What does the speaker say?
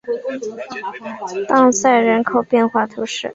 当塞人口变化图示